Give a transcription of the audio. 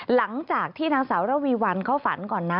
หลังจากที่นางสาวระวีวันเขาฝันก่อนนะ